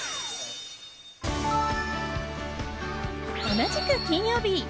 同じく金曜日。